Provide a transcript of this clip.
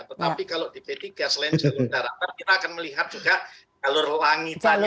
tetapi kalau di p tiga selain jalur daratan kita akan melihat juga jalur langitannya